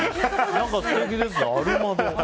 何か素敵ですね。